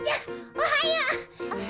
おはよう。